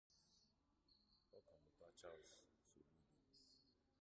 Ọkammụta Charles Soludo